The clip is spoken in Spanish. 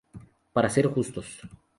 Para ser justos.